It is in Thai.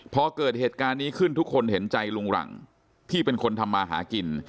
พอเกิดเหตุการณ์นี้ขึ้นทุกคนเห็นใจลุงหลังที่เป็นคนทำมาหากิน